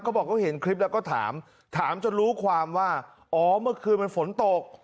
เขาบอกเขาเห็นคลิปแล้วก็ถามถามจนรู้ความว่าอ๋อเมื่อคืนมันฝนตก